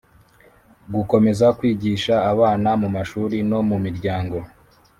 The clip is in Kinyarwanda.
gukomeza kwigisha abana mu mashuri no mu miryango